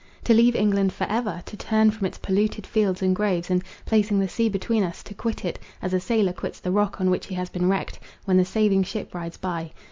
To leave England for ever! to turn from its polluted fields and groves, and, placing the sea between us, to quit it, as a sailor quits the rock on which he has been wrecked, when the saving ship rides by.